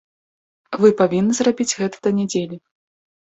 Вы павінны зрабіць гэта да нядзелі.